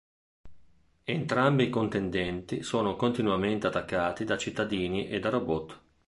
Entrambi i contendenti sono continuamente attaccati da cittadini e da robot.